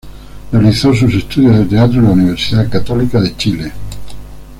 Realizó sus estudios de teatro en la Universidad Católica de Chile.